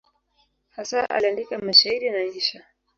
Hasa aliandika mashairi na insha.